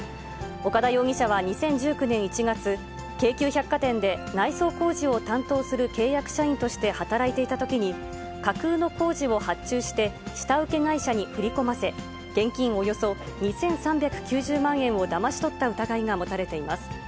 岡田容疑者は２０１９年１月、京急百貨店で内装工事を担当する契約社員として働いていたときに、架空の工事を発注して下請け会社に振り込ませ、現金およそ２３９０万円をだまし取った疑いが持たれています。